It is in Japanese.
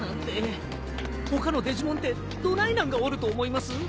他のデジモンってどないなんがおると思います？